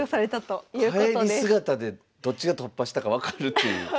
帰り姿でどっちが突破したか分かるっていう。